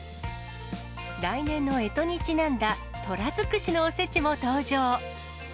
来年のえとにちなんだとら尽くしのおせちも登場。